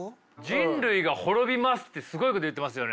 人類が滅びますってすごいこと言ってますよね。